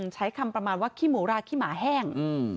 ใช้คำประมาณว่าขี้หมูราขี้หมาแห้ง